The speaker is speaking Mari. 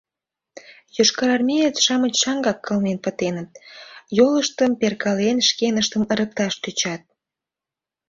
Йошкарармеец-шамыч шаҥгак кылмен пытеныт, йолыштым перкален шкеныштым ырыкташ тӧчат.